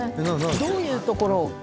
どういうところを？